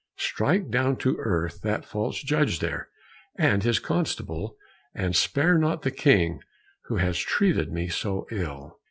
"Strike down to earth that false judge there, and his constable, and spare not the King who has treated me so ill."